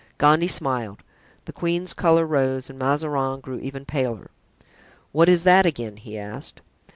Gondy smiled, the queen's color rose and Mazarin grew even paler. "What is that again?" he asked.